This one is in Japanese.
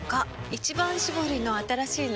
「一番搾り」の新しいの？